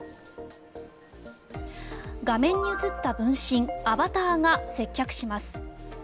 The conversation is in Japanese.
画面に映った分身アバターが接客します。